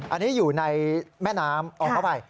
อันนี้อยู่ในแม่น้ำเอาเข้าไป